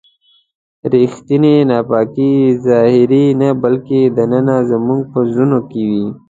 ریښتینې ناپاکي ظاهري نه بلکې دننه زموږ په زړونو کې وي.